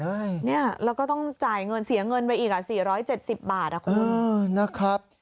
เนี่ยเราก็ต้องจ่ายเงินเสียเงินไปอีกอ่ะ๔๗๐บาทนะครับ